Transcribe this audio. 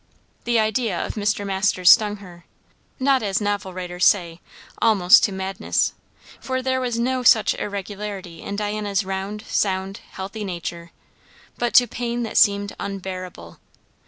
The idea of Mr. Masters stung her, not as novel writers say "almost to madness," for there was no such irregularity in Diana's round, sound, healthy nature, but to pain that seemed unbearable.